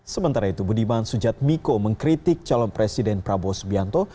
sementara itu budiman sujatmiko mengkritik calon presiden prabowo subianto